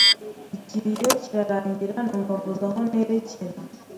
ikiriyo kirarangira, numva mbuze aho nerekera